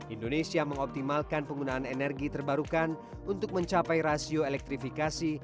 indonesia mengoptimalkan penggunaan energi terbarukan untuk mencapai rasio elektrifikasi